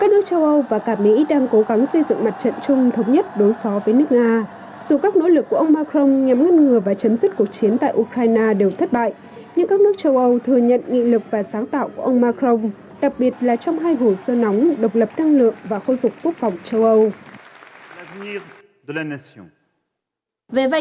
các nước châu âu và mỹ đang cố gắng xây dựng mặt trận chung thống nhất đối phó với nước nga dù các nỗ lực của ông macron nhằm ngăn ngừa và chấm dứt cuộc chiến tại ukraine đều thất bại nhưng các nước châu âu thừa nhận nghị lực và sáng tạo của ông macron đặc biệt là trong hai hồ sơ nóng độc lập năng lượng và khôi phục quốc phòng châu âu